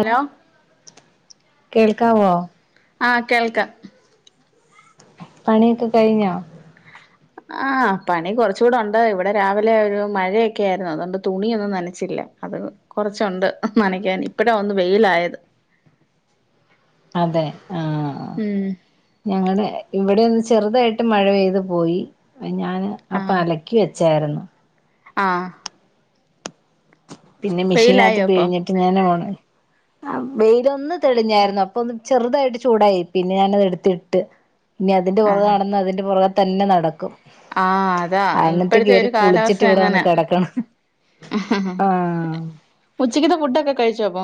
Hello കേൾക്കാവോ ആഹ് കേൾക്കാം പണിയൊക്കെ കഴിഞ്ഞോ ആഹ് പണി കുറച്ചുകൂടെ ഒണ്ട് ഇവിടെ രാവിലെ ഒരു മഴയൊക്കെ ആയിരുന്നു അതുകൊണ്ട് തുണിയൊന്നും നനച്ചില്ല അത് കൊറച്ചൊണ്ട് നനക്കാൻ ഇപ്പഴാ ഒന്ന് വെയിലായത് അതെ ആഹ് ഉം ഞങ്ങടെ ഇവിടെ ഒന്ന് ചെറുതായിട്ട് മഴ പെയ്ത് പോയി ഞാൻ ആഹ് അപ്പഅലക്കി ക്കി വെച്ചായിരുന്നു ആഹ് പിന്നെ മെഷീനാത്ത് വെയിലായോ ഇപ്പൊ പിഴിഞ്ഞിട്ട് ഞാനൊണ ആഹ് വെയിലൊന്ന് തെളിഞ്ഞായിരുന്നു അപ്പൊ ഒന്ന് ചെറുതായിട്ട് ചൂടായി പിന്നെ ഞാനത് എടുത്തിട്ട് ഇനി അതിന്റെ പൊറകെ ആഹ് നടന്ന അതിന്റെ പൊറകെ തന്നെ നടക്കും ആഹ് അതാ എന്നിട്ട് ഇപ്പോഴത്തെ കേറി ഒരു കുളിച്ചിട്ട് കാലാവസ്ഥ ഇവിടെ വന്ന് അങ്ങനെ കിടക്കണം ആഹ് ഉച്ചക്കത്തെ ഫുഡൊക്കെ കഴിച്ചോ അപ്പ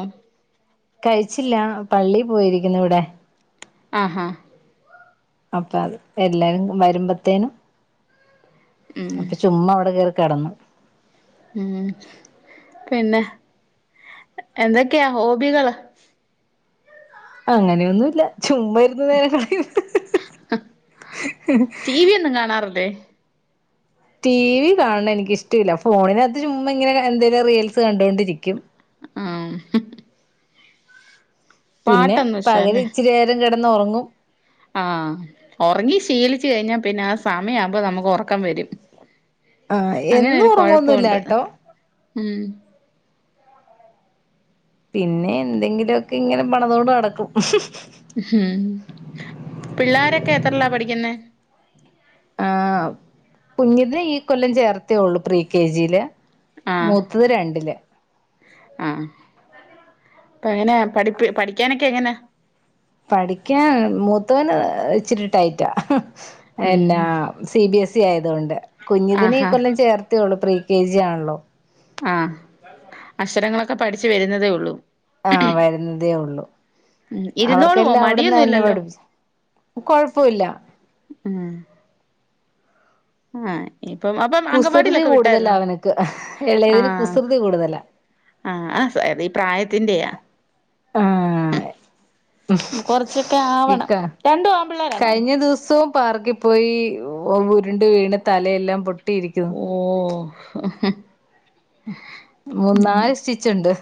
കഴിച്ചില്ല പള്ളി പോയിരിക്കുന്നു ഇവിടെ ആഹാ അപ്പ അത് എല്ലാരും വരുമ്പത്തേനും ഉം അപ്പൊ ചുമ്മാ അവിടെ കേറി കെടന്നു ഉം പിന്നെ എന്തൊക്കെയാ ഹോബികള് അങ്ങനെയൊന്നുല്ല ചുമ്മായിരുന്നു നേരം കളയും ടി വി യ്യൊന്നും കാണാറില്ലേ ടി വി കാണണെ എനിക്കക്ക് ഇഷ്ടില്ല ഫോണിനകത്ത് ചുമ്മ ഇങ്ങനെ എന്തെങ്കിലും റീൽസ് കണ്ടൊണ്ടിരിക്കും ആഹ് പിന്നെ പാട്ടൊന്നും പകല് ഇഷ്ടല്ലേ ഇച്ചിരി നേരം കെടന്ന് ഒറങ്ങും ആഹ് ഒറങ്ങി ശീലിച്ചു കഴിഞ്ഞാ പിന്നെ ആ സമയം ആവുമ്പോ നമുക്ക് ഒറക്കം വരും ആ അങ്ങനെ എന്നും ഒരു ഉറങ്ങൊന്നുല്ല കൊഴപ്പണ്ട് ട്ടോ ഉം പിന്നെ എന്തെങ്കിലൊക്കെ ഇങ്ങനെ പണിതോണ്ട് നടക്കും ഹും പിള്ളോരൊക്കെ എത്രല്ലാ പഠിക്കുന്നെ ആഹ് കുഞ്ഞിതിനെ ഈ കൊല്ലം ചേർത്തേള്ളൂ പ്രീ കെജിൽ ആഹ് മൂത്തത് രണ്ടില് ആഹ് പ്പ എങ്ങനെയ പഠിപ്പ പഠിക്കാനൊക്കെ എങ്ങന പഠിക്കാൻ മൂത്തവന് ഇച്ചിരി ടൈറ്റാ ഉം എന്നാ സിബിഎസ്ഇ ആയതോണ്ട് കുഞ്ഞതിനിനെ ഈ ആഹാ കൊല്ലം ചേർത്തെയുള്ളൂ പ്രീ കെജി ആണല്ലോ ആഹ് അക്ഷരങ്ങളൊക്കെ പഠിച്ചുവരുന്നതേ ഉള്ളൂ ആഹ് വരുന്നതേ ഉള്ളു ഉം ഇരുന്നോളുവോ അവർക്കെല്ലാം അവിടന്ന് മടിയൊന്നും തന്നെ ഇല്ലല്ലോ പഠിപ്പിച്ച കൊഴപ്പോല്ല ഉം ആഹ് ഇപ്പം അപ്പം കുസൃതി അംഗവാടിയിലൊക്കെ കൂടുതലാ വിട്ടായിരുന്നോ അവനക്ക് ഇളയതിന് ആഹ് കുസൃതി കൂടുതലാ ആഹ് ആഹ് [unintelligible] ഈ പ്രായത്തിന്റെയാ ആഹ് കൊറച്ചൊക്കെ ആവണം ഇക്ക രണ്ടും ആമ്പിള്ളേരാണോ കഴിഞ്ഞ ദിവസവും പാർക്കിൽ പോയി ഉ ഊരുണ്ട് വീണ് തലയെല്ലാം പൊട്ടിയിരിക്ക ഓഹ് മൂന്നാല് സ്റ്റിച്ചുണ്ട്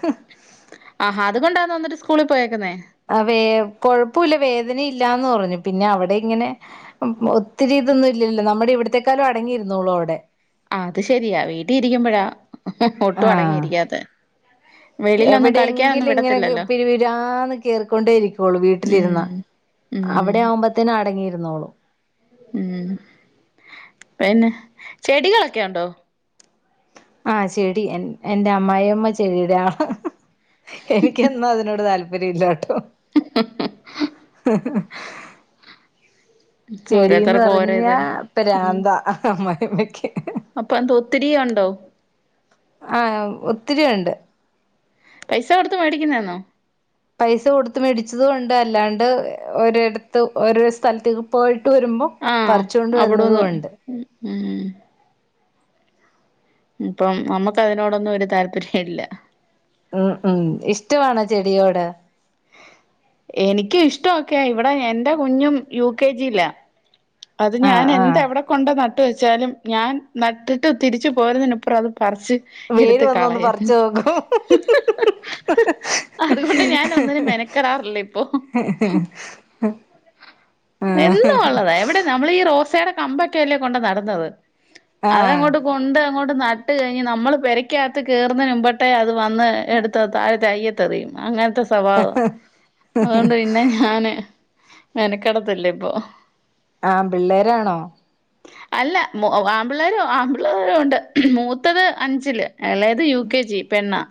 ആഹാ അതുകൊണ്ടാന്നോ എന്നിട്ട് സ്കൂളിൽ പോയേക്കുന്നേ ആ വേ കൊഴപ്പുല്ല വേദന ഇല്ലാന്ന് പറഞ്ഞു പിന്നെ അവിടെ ഇങ്ങനെ ഒത്തിരി ഇതൊന്നും ഇല്ലല്ലോ നമ്മുടെ ഇവിടത്തേക്കളും അടങ്ങിയിരുന്നുള്ളും അവിടെ ആ അത് ശെരിയാ വീട്ടിൽ ഇരിക്കുമ്പോഴാ ഒട്ടും ആഹ് അടങ്ങിയിരിക്കാത്തെ വെളിയിലൊന്നും കളിക്കാനൊന്നും എവിടെയെങ്കിലും ഇങ്ങനെ വിടത്തില്ലല്ലോ പിരിവിരാന്ന് കേറിക്കൊണ്ടേ ഇരിക്കുവുള്ളൂ ഉം വീട്ടിലിരുന്ന ഉം അവിടെ ആവുമ്പോത്തേന് അടങ്ങിരുന്നോളും ഉം പിന്നെ ചെടികളൊക്കെ ഉണ്ടോ ആഹ് ചെടി എന്റെ അമ്മായി അമ്മ ചെടിടെയാളാ എനിക്കെന്നും അതിനോട് താല്പര്യംല്ല കേട്ടോ യം. ചെടീന്ന് ഓരോരുത്തർക്കും ഓരോ ഇത് പറഞ്ഞാ ഉം ഭ്രാന്താ അമ്മായിഅമ്മക്ക് അപ്പൊ എന്ത ഒത്തിരി ഉണ്ടോ ആഹ ഒത്തിരി ഉണ്ട് പൈസ കൊടുത്ത് മേടിക്കുന്നേ ആന്നോ പൈസ കൊടുത്ത് മേടിച്ചതും ഒണ്ട് അല്ലാണ്ട് ഓരെടത്ത് ഓരോ സ്ഥലത്തേക്ക് പോയിട്ട് വരുമ്പോ ആഹ് പറിച്ചോണ്ട് അവിടന്ന് വരുന്നതും ഉണ്ട് ഉം ഇപ്പം നമ്മുക്ക് അതിനോടൊന്നും ഒരു താല്പര്യം ഇല്ല ഉം ഉം ഇഷ്ടവാണോ ചെടിയോട് എനക്ക് ഇഷ്ടം ഒക്കെയ ഇവിടെ എന്റെ കുഞ്ഞും യു കെ ജി ലാ അത് ഞാൻ ആഹ് എന്ത് ആഹ് അവിടെ കൊണ്ട നട്ട് വെച്ചാലും ഞാൻ നട്ടിട്ട് തിരിച്ച് പോരുന്നതിനപ്പുറം അത് പറിച്ച് വേര് എടുത്ത് വന്നൊന്ന് കളയും പറച്ച് നോക്കും ക്കരാറില്ലേ ഇപ്പൊ [unintelligible] ആഹ് എന്നും ഉള്ളതാ എവിടെ നമ്മൾ ഈ റോസേടെ കമ്പൊക്കെല്ലേ കൊണ്ട് നടുന്നത് ആഹ് അതങ്ങോട്ട് കൊണ്ട് അങ്ങോട്ട് നട്ട് കഴിഞ്ഞ് നമ്മൾ പെരയ്ക്കകത്ത് കേറുന്ന മുമ്പട്ടേ അത് വന്ന് എടുത്ത് താഴെ തയ്യ ട്ട് എറിയും അങ്ങനത്തെ സ്വഭാവാ അതൊണ്ട് പിന്നെ ഞാനെ മെനകെട്ട് കിടത്തില്ലേ ഇപ്പൊ ആഹ് പിള്ളേരാണോ അല്ല ആമ്പള്ളേരോ ആമ്പിള്ളേരു ഉണ്ട് മൂത്തത് അഞ്ചില് എളേത് യൂ കെ ജി പെണ്ണ്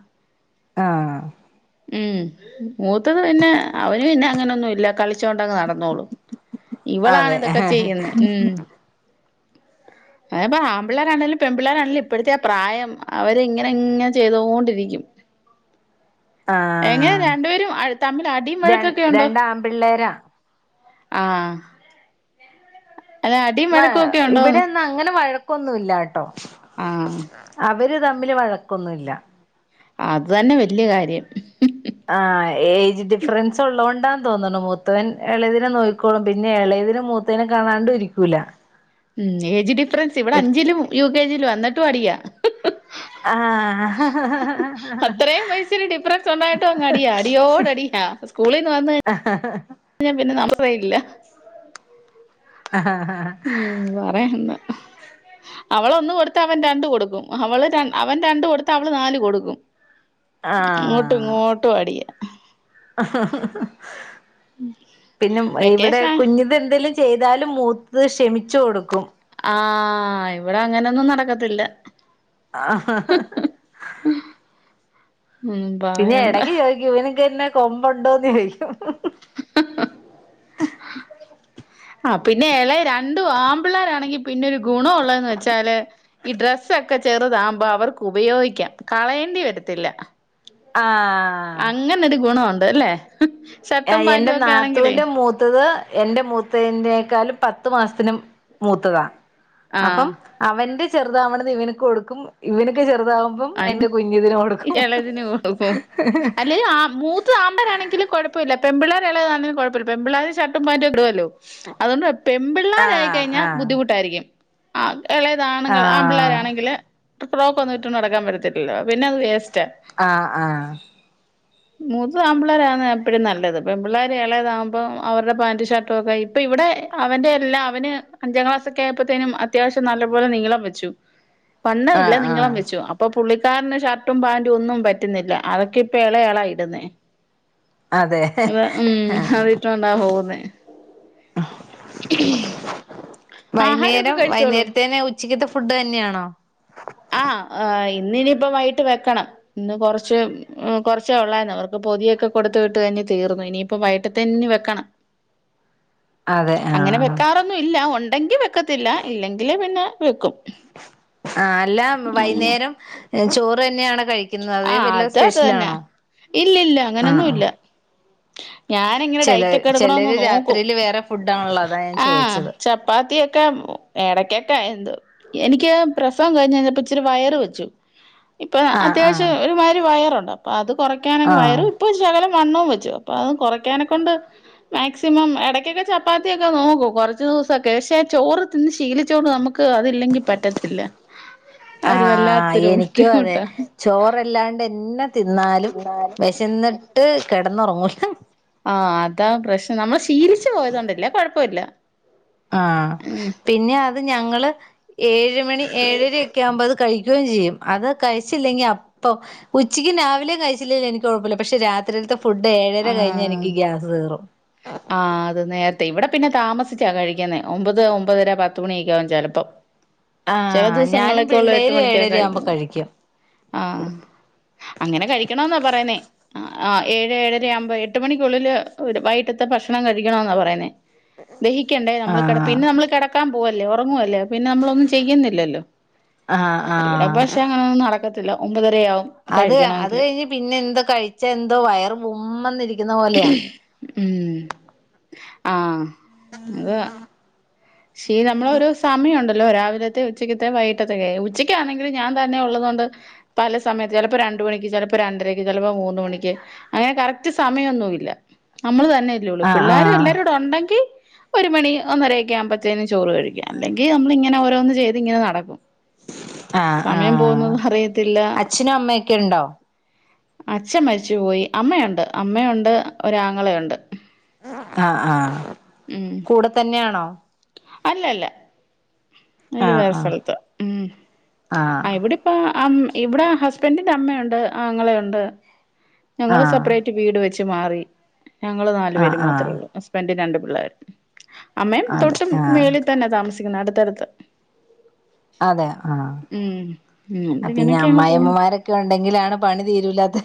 ആഹ് ഉം മൂത്തത് പിന്നെ അവന് പിന്നെ അങ്ങനൊന്നും ഇല്ല കളിച്ചോണ്ടങ്ങ് നടന്നോളും ഇവളാണ് അതെ ഇതൊക്കെ ചെയ്യുന്നെ അതെപ്പ ആമ്പിള്ളേരാണേലും പെൺ പിള്ളേരാണെങ്കിലും ഇപ്പഴത്തെ ആ പ്രായം അവരിങ്ങനെ ഇങ്ങനെ ചെയ് തോണ്ടിരിക്കും ആഹ് രണ്ടുപേരും അ തമ്മിൽ അടിയും ര വഴക്കൊക്കെ ഉണ്ടോ രണ്ടാമ്പിള്ളേരാ ആഹ് അല്ല അടിയും വ വഴക്കൊക്കെ ഉണ്ടോന്ന് ഇവിടെന്ന അങ്ങനെ വഴക്കൊന്നുല്ലാട്ടോ ആഹ് ഇവര് തമ്മിൽ വഴക്കൊന്നുല്ല അത് തന്നെ വലിയ കാര്യം. ആഹ് ഏജ് ഡിഫറൻസ് ഉള്ളത് കൊണ്ടാന്ന് തോന്നണു മൂത്തവൻ എളയതിനെ നോക്കിക്കോളും പിന്നെ എളയതിനെ മൂ ത്തേനെ കാണാണ്ടും ഇരിക്കൂല്ല. ഉം ഏജ് ഡിഫറൻസ് ഇവിടെ അഞ്ചിലും യു കെ ജിലും വാ എന്നിട്ടും അടിയാ. ആഹ് അത്രേയും വയസ്റ്റിന്ഡിഫ്രൻസ് ഉണ്ടായിട്ട് അങ് അടിയാ അടിയോടടി ആഹ് സ്കൂളിൽന്ന് വന്ന് വന്നാ പിന്നെ നമ്മക്ക് വഴി ഇല്ല അഹാ ഹാ ഹാ ഉം പറയാൻ ഇല്ല അവള് ഒന്ന് കൊടുത്ത അവൻ രണ്ട് കൊടുക്കും അവള് അവൻ രണ്ട് കൊടുത്ത് അവള് നാല് കൊടുക്കും അങ്ങോട്ടും ആഹ് ഇങ്ങോട്ടും അടിയ [inaudible] പിന്നെ ഇവിടെ വെക്കേഷന കുഞ്ഞിത് എന്തേലും ചെയ്താലും മൂത്തത് ക്ഷമിച്ചു കൊടുക്കും ആഹ് ഇവിടെ അങ്ങനെയൊന്നും നടക്കത്തില്ല ആഹ് ഉം പിന്നെ പറയണ്ട എടയ്ക്ക് ചോയ്ക്കും ഇവൻക്ക്‌ എന്നാ കൊമ്പുണ്ടോന്ന് ചോയിക്കും ആഹ് പിന്നെ എളേ രണ്ടു ആമ്പിള്ളേർ ആണെങ്കി പിന്നെ ഒരു ഗുണ ഉള്ളെന്ന് വെച്ചാല് ഈ ഡ്രസ്സ് ഒക്കെ ചെറുതാകുമ്പോ അവർക്ക് ഉപയോഗിക്കാം കളയേണ്ടി വരത്തില്ല ആഹ് അങ്ങനെ ഒരു ഗുണോണ്ട് അല്ലേ ഷർട്ടും ആഹ് എന്റെ പാന്റും ഒക്കെ ആണെങ്കിലേ നാത്തൂന്റെ മൂത്തത് എന്റെ മൂത്തന്റെേക്കാളും പത്തു മാസത്തിനും മൂത്തതാ അപ്പം ആഹ് അവന്റെ ചെറുതാവണന്ന് ഇവനക്ക് കൊടുക്കും ഇവന്ക്ക് ചെറുതാവും അയിന് എളതിന് കൊടുക്കും അല്ലേലും ആ മൂ ത്തത് ആമ്പിള്ളാരാണെങ്കിലും കുഴപ്പല്ല പെമ്പിള്ളേര് എളയ ആണേലും കുഴപ്പല്ലെ പെമ്പിള്ളേര് ഷർട്ടും പാന്റും ഇടോല്ലോ അതോണ്ട് പെൺപിള്ളാരായി ആഹ് കഴിഞ്ഞാൽ ആഹ് ബുദ്ധിമുട്ടായിരിക്കും ആഹ് ഇളയതാണുങ്ങൾ ആഹ് ആമ്പിള്ളേരാണെങ്കില് ഫ്രോക്ക് ഒന്ന് ഇട്ടോണ്ട് നടക്കാൻ പറ്റത്തില്ലല്ലോ പിന്നെ അത് വേസ്റ്റ ആഹ് ആഹ് മുത്തത് ആമ്പിപിള്ളരാവുന്നതാ എപ്പഴും നല്ലത് പെൺപിള്ളേർ എളേതാവുമ്പോ അവരുടെ പാന്റും ഷർട്ടൊക്കെ അപ്പൊ ഇവിടെ അവന്റെ എല്ലാം അവന് അഞ്ചാം ക്ലാസ്സൊക്കെ ആയപ്പോത്തേനും അത്യാവശ്യം നല്ലപോലെ നീളം വെച്ചു വണ്ണം ഇല്ല ആഹ് ആഹ് നീളം വെച്ചു അപ്പൊ പുള്ളിക്കാരന് ഷർട്ടും പാാന്റും ഒന്നും പറ്റുന്നില്ല അതൊക്കെ ഇപ്പൊ എളയ ആള ഇടുന്നേ ആണല്ലേ അത ഉം അതിട്ടോണ്ടാ പോവുന്നെ ആഹാരൊക്കെ വൈന്നേരം കഴിച്ചോളൂ വൈുന്നേരത്തന് ഉച് ച്ചക്കത്തെ ഫുഡ് തന്നെയാണോ ആഹ് ഇന്ന് ഇനിയിപ്പ വൈകിട്ട് വെക്കണം ഇന്ന് കൊറച്ച് കുറച്ചേ ഉള്ളായിന്ന് അവർക്ക് പൊതിയൊക്കെ കൊടുത്ത വിട്ട് തീർന്നു ഇനിയിപ്പ വൈകീട്ടത്തേന് വെക്കണം അതെ അങ്ങനെ ആഹ് വെക്കാറൊന്നും ഇല്ല ഉണ്ടെങ്കി വെക്കത്തില്ല ഇല്ലെങ്കില് പിന്നെ വെക്കും ആഹ് അല്ല അങ്ങനെ വൈന്നേരം ചോറ് തന്നെയാണോ കഴിക്ക ഇന്ന് ആ അതെ വല്ല അത് അത് തന്നെ സ്പെഷലാണോ ഇല്ലില്ല ആഹ് അങ്ങനൊന്നും ആഹ് ഇല്ല ഞാനിങ്ങനെ ചെല ഡയറ്റ് ഒക്കെ എടുക്കണോന്ന് ചെലര് നോക്കും രാത്രിയില് വേറെ ഫുഡാണല്ലോ അതാ ഞാൻ ആ ചോദിച്ചത് ചപ്പാത്തിയൊക്കെ എടക്കൊക്കെ എന്ത് എനിക്ക് പ്രസവം കഴിഞ്ഞത് ഇപ്പ ഇച്ചിരി വയറ് വെച്ചു ഇപ്പം ആഹ് അത്യാവശ്യം ആഹ് ഒരുമാതിരി വയറുണ്ട് അപ്പൊ അത് കുറയ്ക്കാന ആഹ് വയറും ഇപ്പോൾ ഒരു ശകലം വണ്ണവും വെച്ചു അപ്പൊ അതും കുറയ്ക്കാനക്കൊണ്ട് മാക്സിമം ഇടയ്ക്കൊക്കെ ചപ്പാത്തിയൊക്കെ നോക്കും കുറച്ച് ദിവസൊക്കെ പക്ഷെ ചോറ് തിന്ന് ശീലിച്ചോണ്ട് നമുക് ക്ക് അതില്ലെങ്കി പറ്റത്തില്ല അതൊരു ആഹ് വല്ലാത്തൊരു എനിക്കും അതെ ബുദ്ധിമുട്ടാ ചോറല്ലാണ്ടെന്ന തിന്നാലും ചെന്നിട്ട് കിടന്നുറങ്ങൂല ആഹ് അതാ പ്രശ്നം നമ്മൾ ശീലിച്ച് പോയതോണ്ട അല്ലേ കുഴപ്പമില്ല ആഹ് പിന്നെ അത് ഞങ്ങള് ഏഴ് മണി ഏഴരയൊക്കെ ആകുമ്പോ അത് കഴിക്കുകയും ചെയ്യും അത് കഴിച്ചില്ലെങ്കി അപ്പൊ ഉച്ചക്കും രാവിലേം കഴിച്ചില്ലെങ്കി എനിക്ക് കുഴപ്പമില്ല പക്ഷെ രാത് ത്രിൽത്തെ ഫുഡ് ഏഴര കഴിഞ്ഞ ആഹ് എനിക്ക് ഗ്യാസ് കേറും ആഹ് അത് നേരത്തെ ഇവിടെ പിന്നെ താമസിച്ചാ കഴിക്കുന്നെ ഒമ്പത് ഒമ്പതര പത്ത്മണിയൊക്കെ ആകും ചിലപ്പം ആഹ് ഞാനും എട്ട് പിള്ളേരും മണിക്കാ ഏഴേര ആവുമ്പോ കഴിക്കുന്നെ കഴിക്കും ആഹ് അങ്ങനെ കഴിക്കണവെന്നാ പറയുന്നേ ആഹ് ഏഴ് ഏഴര ആകുമ്പോ എട്ട് മണിക്കുള്ളില് വൈ കിട്ടത്ത ഭക്ഷണം കഴിക്കണ പറയുന്നെ ദഹിക്കണ്ടേ നമ്മള് കെട ആഹ് പിന്നെ നമ്മൾ കിടക്കാൻ പോവല്ലേ ഉറങ്ങുവല്ലേ പിന്നെ നമ്മളൊന്നും ചെയ്യുന്നില്ലല്ലോ ആഹ് ഇവിടെ ആഹ് ഭക്ഷ് അങ്ങനെയൊന്നും നടക്കത്തില്ല ഒമ്പതരയാവും അത് അത് കഴിക്കണമെങ്കില് കഴിഞ്ഞ് പിന്നെ എന്തോ കഴിച്ച എന്തോ വയർ ബുമ്മെന്ന് ഇരിക് ഉം ആഹ് അതാ ക്ഷേ നമ്മളൊരു സമയം ഉണ്ടല്ലോ രാവിലത്തെ ഉച്ചക്കൽതേം വൈകിട്ടതേം ഉച്ചയ്ക്കാണെങ്കിൽ ഞാൻ തന്നെ ഉള്ളതൊണ്ട് പല സമയത്ത് ചിലപ്പോ രണ്ട് മണിക്ക് ചിലപ്പോ രണ്ടരയ്ക്ക് ചിലപ്പോ മൂന്ന് മണിക്ക് അങ്ങനെ കറക്റ്റ് സമയം ഒന്നുമില്ല നമ്മള് തന്നെ ഒള്ള് ആഹ് പിള്ളാരും എല്ലാരും ആഹ് ഉണ്ടെങ്കിൽ ഒരു മണി ഒന്നര ഒക്കെ ആകുമ്പ ക്കെ ഇരുന്ന് ചോറ് കഴിക്കാം അല്ലെങ്കി നമ്മള് ഇങ്ങനെ ഓരോന്ന് ചെയ്ത് ഇങ്ങനെ നടക്കും ആഹ് സമയം ആഹ് പോകുന്നതും അറിയത്തില്ല അച്ഛനും അമ്മയൊക്കെ ഉണ്ടോ അച്ഛൻ മരിച്ചു പോയി അമ്മയുണ്ട് അമ്മയുണ്ട് ഒരാങ്ങളയുണ്ട് ആഹ് ആഹ് ഉം കൂടെ തന്നെയാണോ അല്ല അല്ല അവര് ആഹ് വേറെ ആഹ് സ്ഥലത്ത ഉം ആഹ് ഇവിടി പ്പം അം ഇവിടെ ഹസ്ബൻഡിന്റെ അമ്മയുണ്ട് ആങ്ങളെയുണ്ട് ഞങ്ങള് ആഹ് സപ്പറേറ്റ് വീട് വെച്ച് മാറി ഞങ്ങള് നാലു ആഹ് പേരും മാത്രേ ആഹ് ഉള്ളൂ ഹസ്ബെന്റും രണ്ടു പിള്ളേരും അമ്മയും അതെ തൊട്ടും ആഹ് മേളിൽ തന്നെ താമസിക്കുന്നെ അടുത്തടുത്ത അതെ ആഹ് ഉം ഉം പിന്നെ ഇങ്ങനെയൊക്കെ അങ്ങ് പോണ് അമ്മായമ്മമാരൊക്കെ ഉണ്ടെങ്കിലാണ് പണി തീരൂല്ലാത്ത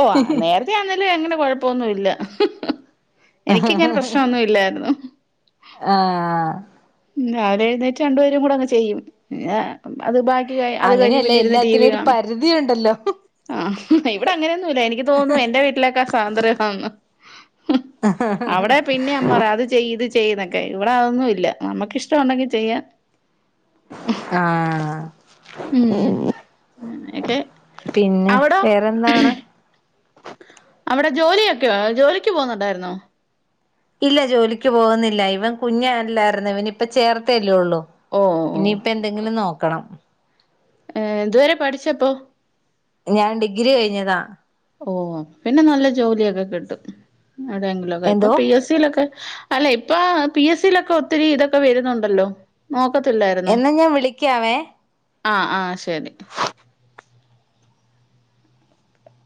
ഓ നേരത്തെ ആന്നേലും അങ്ങനെ കൊഴപ്പൊന്നും ഇല്ല എനിക്കിങ്ങനെ പ്രശ്നമൊന്നും ഇല്ലായിരുന്നു ആഹ് രാവിലെ എഴുന്നേറ്റ് രണ്ടുപേരും കൂടെ അങ്ങ് ചെയ്യും പിന്ന അത് ബാക്കി അത് കഴിഞ്ഞ് അങ്ങനെയല്ല പിന്നെ ഇരുന്ന് ടി എല്ലാത്തിനും വി ഒരു കാണും പരിധിയുണ്ടല്ലോ ആഹ് ഇവിടെ അങ്ങനെയൊന്നുമില്ല എനിക്ക് തോന്നുന്നു എന്റെ വീട്ടിലേക്ക സ്വാന്തദ്രിയം ആണെന്ന അവിടെ പിന്നെ അമ്മ പറ അത് ചെയ്ത് ചെയ്യുന്നൊക്കെ ഇവിടെ അതൊന്നും ഇല്ല നമുക്ക്ഷ്ടമുണ്ടെങ്കിൽ ചെയ്യാൻ ആഹ അങ്ങനെയൊക്കെ പിന്നെ അവിടോ വേറെന്താണ് അവിടെ ജോലിയൊക്കെ ജോലിക്ക് പോന്നുണ്ടായിരുന്നോ ഇല്ല ജോലിക്ക് പോകുന്നില്ല ഇവൻ കുഞ്ഞല്ലായിരരുന്നു ഇവനി ഇപ്പ ചേർത്തേല്ലേ ഉള്ളൂ ഓ ഓ ഇനി ഇപ്പ എന്തെങ്കിലും നോക്കണം ഏഹ് ഇതുവരെ പഠിച്ചപ്പോ ഞാൻ ഡിഗ്രി കഴിഞ്ഞതാ ഓ പിന്നെ നല്ല ജോലിയൊക്കെ കിട്ടും എവിടെയെങ്കിലുംക്കെ ഇപ്പൊ എന്തോ പി എസ് സിയിലൊക്കെ അല്ലെ ഇപ്പ പി എസ് സിയിലൊക്കെ ഒത്തിരി ഇതൊക്കെ വരുന്നുണ്ടല്ലോ നോക്കത്തില്ലായിരുന്നോ എന്നാ ഞാൻ വിളിക്കാവേ ആഹ ആഹ ശേരി